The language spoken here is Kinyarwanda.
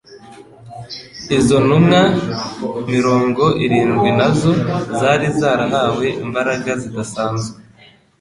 izo ntumwa mirongo irindwi nazo zari zarahawe imbaraga zidasanzwe